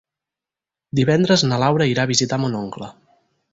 Divendres na Laura irà a visitar mon oncle.